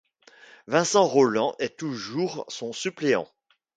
Vincent Rolland est toujours son suppléant.